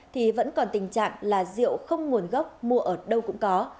thì vẫn còn tình trạng là rượu không nguồn gốc mua ở đâu cũng có